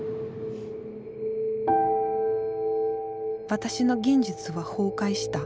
私の現実は崩壊した。